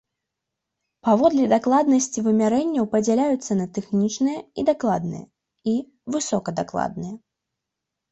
Паводле дакладнасці вымярэнняў падзяляюцца на тэхнічныя і дакладныя і высокадакладныя.